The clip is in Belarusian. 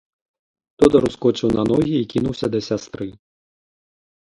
Тодар ускочыў на ногі і кінуўся да сястры.